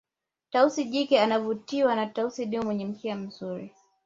tausi jike anavutiwa na tausi dume mwenye mkia mzuri